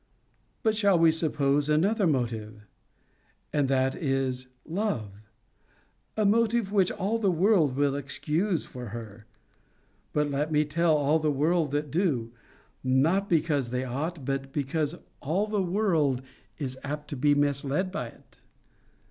But shall we suppose another motive? And that is LOVE; a motive which all the world will excuse her for. 'But let me tell all the world that do, not because they ought, but because all the world is apt to be misled by it.'